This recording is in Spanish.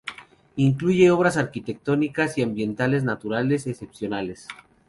Incluye obras arquitectónicas y ambientes naturales excepcionales.